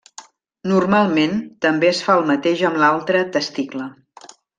Normalment, també es fa el mateix amb l'altre testicle.